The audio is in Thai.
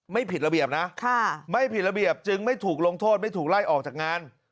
ไม่ผิดระเบียบนะไม่ผิดระเบียบจึงไม่ถูกลงโทษไม่ถูกไล่ออกจากงาน